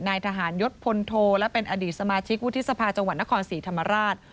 นายทหารยศพลโทและเป็นอดีตสมาชิกวุฒิสภาจังหวัดนครศรีธรรมราช